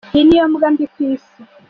Iyi niyo mbwa mbi ku isi.